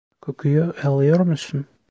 Kokuyu alıyor musun?